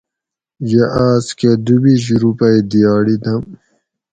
یہ آس کہ دوبیش روپئ دیاڑی دم